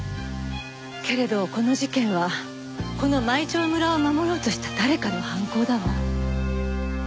けれどこの事件はこの舞澄村を守ろうとした誰かの犯行だわ。